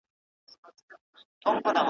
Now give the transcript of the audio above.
چا په میاشت او چا په کال دعوه ګټله `